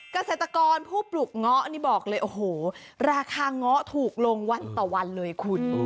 เกษตรกรผู้ปลูกเงาะนี่บอกเลยโอ้โหราคาเงาะถูกลงวันต่อวันเลยคุณ